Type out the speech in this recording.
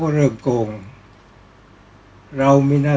ก็ต้องทำอย่างที่บอกว่าช่องคุณวิชากำลังทำอยู่นั่นนะครับ